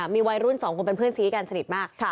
มีวัยรุ่นสองคนเพื่อนคืนที่กันสนิทมาก